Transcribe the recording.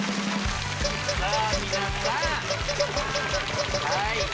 さぁ皆さん！